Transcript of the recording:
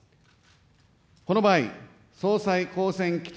この場合、総裁当選規程